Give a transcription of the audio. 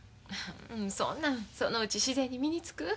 そんなんそのうち自然に身につく。